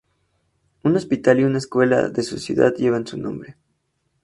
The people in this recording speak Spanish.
Un hospital y una escuela de su ciudad llevan su nombre.